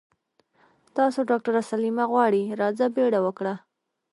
تاسو ډاکټره سليمه غواړي راځه بيړه وکړه.